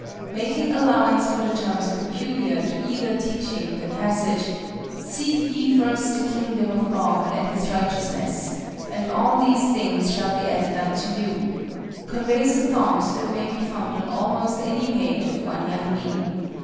Making allowance for the terms peculiar to either teaching, the passage, "Seek ye first the kingdom of God and his righteousness; and all these things shall be added unto you," conveys a thought that may be found on almost any page of Wan Yang Ming.